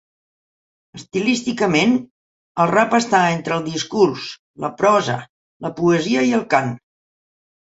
Estilísticament, el rap està entre el discurs, la prosa, la poesia i el cant.